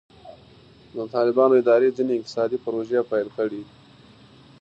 د طالبانو اداره ځینې اقتصادي پروژې پیل کړې دي.